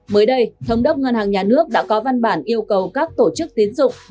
mới đây thống đốc ngân hàng nhà nước đã có văn bản yêu cầu các tổ chức tiến dụng